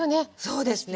そうですね。